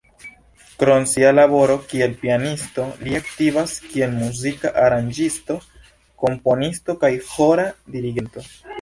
Krom sia laboro kiel pianisto li aktivas kiel muzika aranĝisto, komponisto kaj ĥora dirigento.